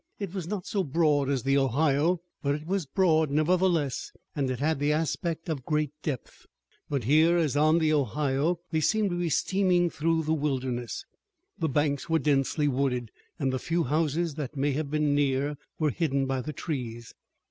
It was not so broad as the Ohio, but it was broad, nevertheless, and it had the aspect of great depth. But here, as on the Ohio, they seemed to be steaming through the wilderness. The banks were densely wooded, and the few houses that may have been near were hidden by the trees.